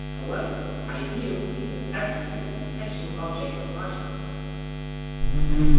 However, "ideal" means that essence is an intentional object of consciousness.